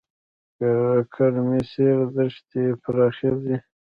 ګرمسیر دښتې پراخې دي؟